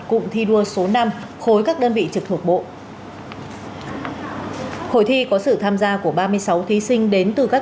cụm thi đua số năm khối các đơn vị trực thuộc bộ hội thi có sự tham gia của ba mươi sáu thí sinh đến từ các